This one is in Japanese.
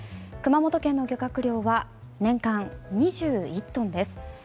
熊本県の漁獲量は年間２１トンです。